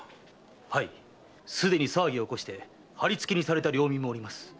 はいすでに騒ぎを起こして磔にされた領民もおります。